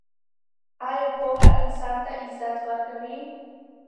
آیا پوهه انسان ته عزت ورکوي؟